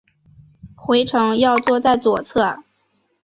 回程要坐在左侧